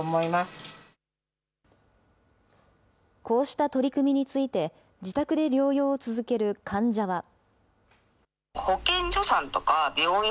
こうした取り組みについて、自宅で療養を続ける患者は。